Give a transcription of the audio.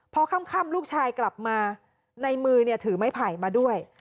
พอค่ำลูกชายกลับมาในมือถือไม้ไผ่มาด้วย